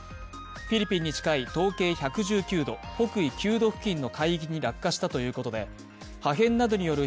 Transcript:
フィリピンに近い東経１１９度、北緯９度付近の海域に落下したということで、破片などによる